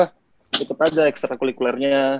cukup aja ekstra kuliah kuliahnya